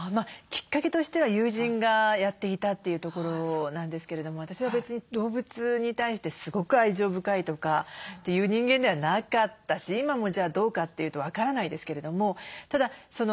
きっかけとしては友人がやっていたというところなんですけれども私は別に動物に対してすごく愛情深いとかっていう人間ではなかったし今もじゃあどうかっていうと分からないですけれども。